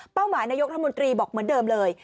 หมายนายกรัฐมนตรีบอกเหมือนเดิมเลย